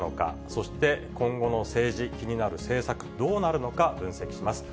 そして今後の政治、気になる政策、どうなるのか分析します。